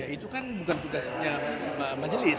itu kan bukan tugasnya majelis